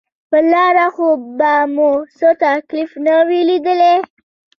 پر لاره خو به مو څه تکليف نه وي ليدلى.